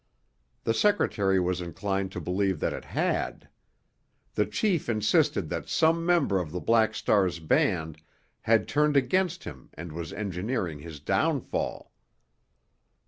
The secretary was inclined to believe that it had. The chief insisted that some member of the Black Star's band had turned against him and was engineering his downfall.